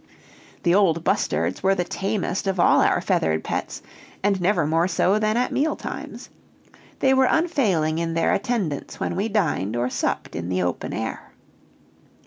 The old bustards were the tamest of all our feathered pets, and never more so than at meal times. They were unfailing in their attendance when we dined or supped in the open air.